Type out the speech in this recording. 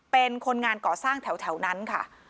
เป็นคนงานก่อสร้างแถวนั้นค่ะ